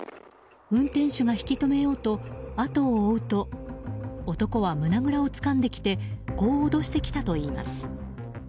運転手が引き留めようと後を追うと男は、胸ぐらをつかんできてこう脅してきたといいます。